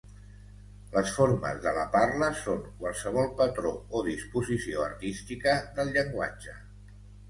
Les formes de la parla són qualsevol patró o disposició artística del llenguatge.